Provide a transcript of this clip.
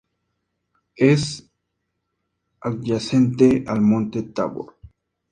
Es adyacente al Monte Tabor.